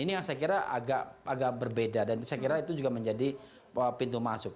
ini yang saya kira agak berbeda dan saya kira itu juga menjadi pintu masuk